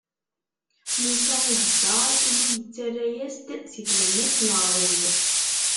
Musa iheddeṛ, Illu yettarra-as-d si tlemmast n ṛṛɛud.